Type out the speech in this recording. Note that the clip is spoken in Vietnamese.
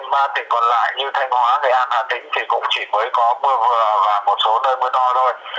và hai ba tỉnh còn lại như thanh hóa nghệ an hà tĩnh thì cũng chỉ mới có mưa vừa và một số nơi mưa no thôi